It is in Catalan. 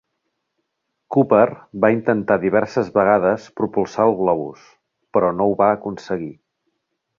Cooper va intentar diverses vegades propulsar el globus, però no ho va aconseguir.